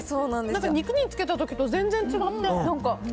なんか肉につけたときと全然違って、なんか。